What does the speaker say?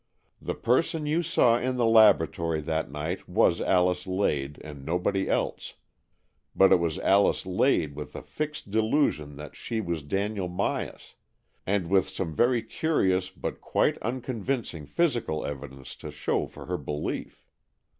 The person you saw in the AN EXCHANGE OF SOULS 229 laboratory that night was Alice Lade and nobody else, but it was Alice Lade with a fixed delusion that she was Daniel Myas, and with some very curious but quite un convincing physical evidence to show for her belief.